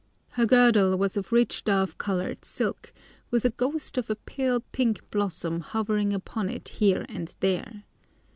Her girdle was of rich dove coloured silk, with a ghost of a pale pink blossom hovering upon it here and there.